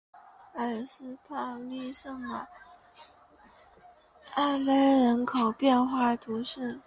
埃斯帕利圣马塞勒人口变化图示